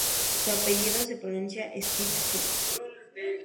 Su apellido se pronuncia Skep-See.